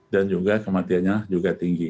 dan juga kemantiannya juga tinggi